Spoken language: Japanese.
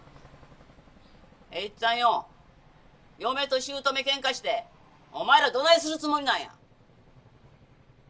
栄一っつぁんよ嫁と姑けんかしてお前らどないするつもりなんや。